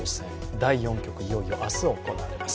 第４局、いよいよ、明日行われます。